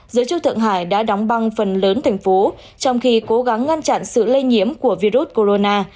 giới chức thượng hải đã đóng băng phần lớn thành phố trong khi cố gắng ngăn chặn sự lây nhiễm của virus corona